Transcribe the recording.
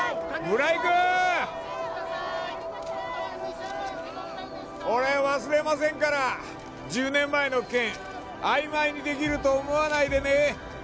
村井君俺忘れませんから１０年前の件曖昧にできると思わないでね